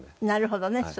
なるほどね。